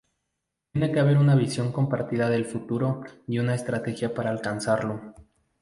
Tiene que haber una visión compartida del futuro y una estrategia para alcanzarlo.